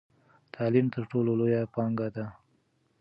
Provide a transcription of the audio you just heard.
تعلیم تر ټولو لویه پانګه ده.